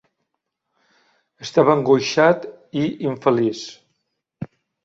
Estava angoixat i infeliç.